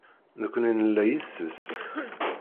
Nekkni nella yes-s.